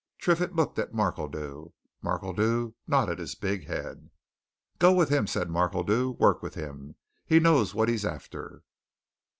Triffitt looked at Markledew: Markledew nodded his big head. "Go with him," said Markledew. "Work with him! He knows what he's after."